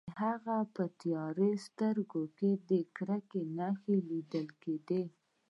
د هغه په تیاره سترګو کې د کرکې نښې لیدل کیدې